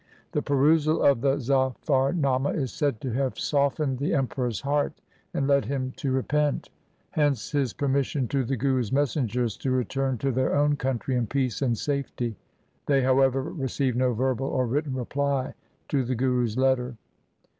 The perusal of the Zafarnama is said to have softened the Emperor's heart and led him to repent ; SIKH. V Q 226 THE SIKH RELIGION hence his permission to the Guru's messengers to return to their own country in peace and safety. They, however, received no verbal or written reply to the Guru's letter.